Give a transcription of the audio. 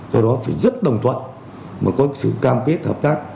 do đó phải rất đồng thuận mà có sự cam kết hợp tác